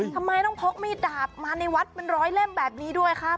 ทำไมต้องพกมีดดาบมาในวัดเป็นร้อยเล่มแบบนี้ด้วยครับ